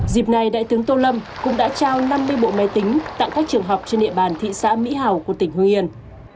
dịp này đại tướng tô lâm cũng đã trao năm mươi bộ máy tính tặng các trường học trên địa bàn thị xã mỹ hào của tỉnh hương yên